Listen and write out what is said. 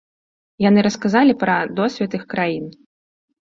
Яны расказалі пра досвед іх краін.